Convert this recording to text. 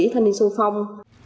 thanh niên xung phong